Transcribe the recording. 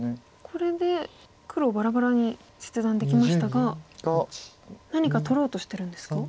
これで黒ばらばらに切断できましたが何か取ろうとしてるんですか？